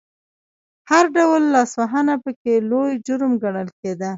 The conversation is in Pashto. هر ډول لاسوهنه پکې لوی جرم ګڼل کېده.